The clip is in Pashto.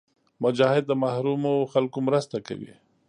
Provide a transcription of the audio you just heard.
مجاهد د محرومو خلکو مرسته کوي.